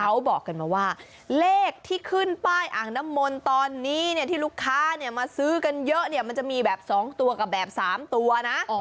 เขาบอกกันมาว่าเลขที่ขึ้นป้ายอ่างน้ำมนต์ตอนนี้เนี่ยที่ลูกค้าเนี่ยมาซื้อกันเยอะเนี่ยมันจะมีแบบ๒ตัวกับแบบ๓ตัวนะ